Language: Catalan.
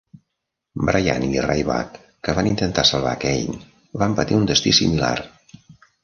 Bryan i Ryback, que van intentar salvar Kane, van patir un destí similar.